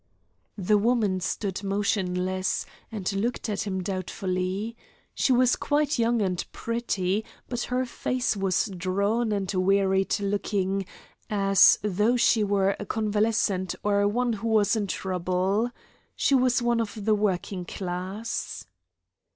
The woman stood motionless, and looked at him doubtfully. She was quite young and pretty, but her face was drawn and wearied looking, as though she were a convalescent or one who was in trouble. She was of the working class.